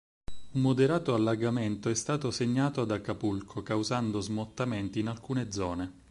Un moderato allagamento è stato segnalato ad Acapulco, causando smottamenti in alcune zone.